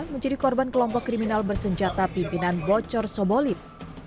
menciri korban kelompok kriminal bersenjata pimpinan bocor sobolit